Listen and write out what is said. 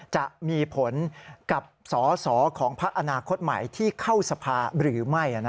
จะมีผลกับสอสอของพักอนาคตใหม่ที่เข้าสภาหรือไม่